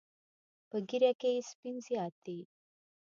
په ږیره کې یې سپین زیات دي.